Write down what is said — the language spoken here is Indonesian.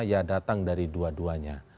ya datang dari dua duanya